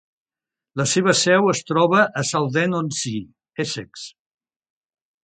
La seva seu es troba a Southend-on-Sea, Essex.